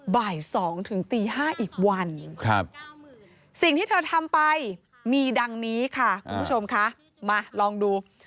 บ่าย๒ถึงตี๕อีกวันสิ่งที่เธอทำไปมีดังนี้ค่ะคุณผู้ชมคะมาลองดู